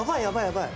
やばい！